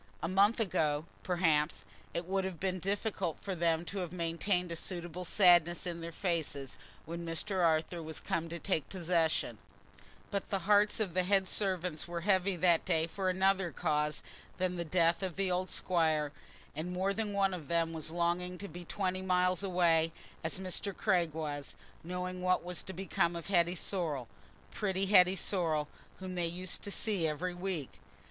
A month ago, perhaps, it would have been difficult for them to have maintained a suitable sadness in their faces, when Mr. Arthur was come to take possession; but the hearts of the head servants were heavy that day for another cause than the death of the old squire, and more than one of them was longing to be twenty miles away, as Mr. Craig was, knowing what was to become of Hetty Sorrel—pretty Hetty Sorrel—whom they used to see every week.